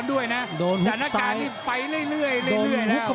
โอ้โหโอ้โหโอ้โหโอ้โหโอ้โห